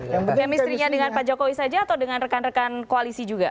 kemistrinya dengan pak jokowi saja atau dengan rekan rekan koalisi juga